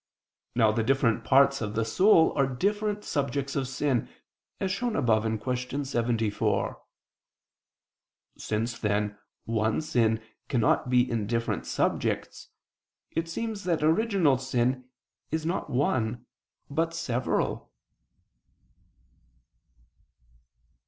Now the different parts of the soul are different subjects of sin, as shown above (Q. 74). Since then one sin cannot be in different subjects, it seems that original sin is not one but several.